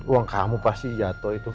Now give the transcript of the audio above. uang kamu pasti jatuh itu